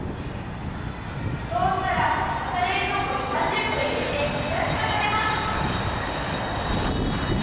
そうしたらまたれいぞうこに３０分いれてひやしかためます。